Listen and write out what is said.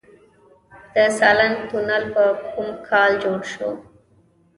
د سالنګ تونل په کوم کال جوړ شو؟